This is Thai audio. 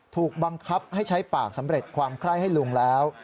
ถูกบังคับให้ใช้ปากสำเร็จความไคร้ให้ลุงแล้ว